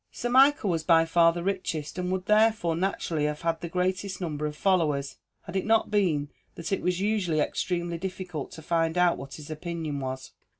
Sir Michael was by far the richest, and would, therefore, naturally have had the greatest number of followers, had it not been that it was usually extremely difficult to find out what his opinion was.